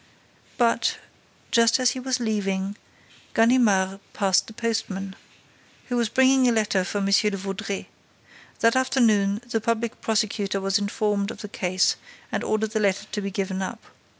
But, just as he was leaving, Ganimard passed the postman, who was bringing a letter for M. de Vaudreix. That afternoon, the public prosecutor was informed of the case and ordered the letter to be given up.